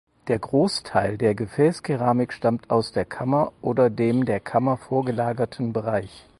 Der Großteil der Gefäßkeramik stammt aus der Kammer oder dem der Kammer vorgelagerten Bereich.